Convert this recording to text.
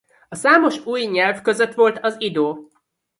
A számos új nyelv között volt az ido.